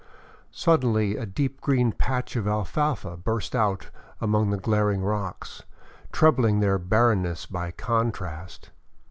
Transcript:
Suddenly a deep green patch of alfalfa burst out among the glaring rocks, trebling their barrenness by contrast.